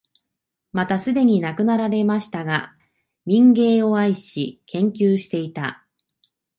またすでに亡くなりましたが、民藝を愛し、研究していた、